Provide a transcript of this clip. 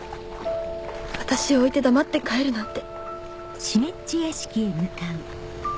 私を置いて黙って帰るなんて